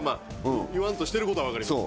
言わんとしてることは分かります。